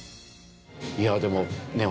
いやでもね